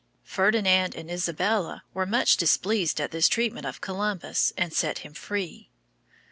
Ferdinand and Isabella were much displeased at this treatment of Columbus, and set him free.